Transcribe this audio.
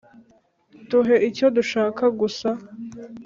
Tuhe icyo dushaka gusa